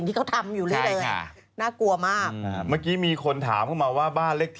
๑๓๕ถับ๑หมู่๑๑นะครับ